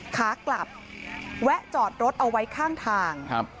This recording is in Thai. ขากลับแวะจอดรถเอาไว้ข้างทาง